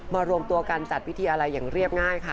รวมตัวกันจัดพิธีอะไรอย่างเรียบง่ายค่ะ